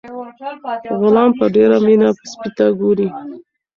غلام په ډیره مینه سپي ته ګوري.